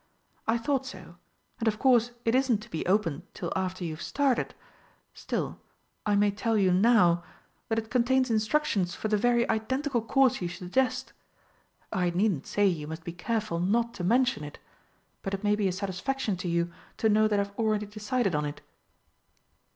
I thought so, and of course it isn't to be opened till after you've started. Still, I may tell you now that it contains instructions for the very identical course you suggest! I needn't say you must be careful not to mention it but it may be a satisfaction to you to know that I've already decided on it."